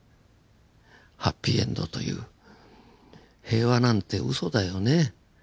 ハッピーエンドという平和なんてウソだよね。